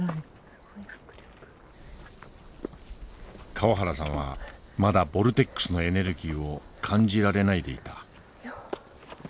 川原さんはまだボルテックスのエネルギーを感じられないでいた。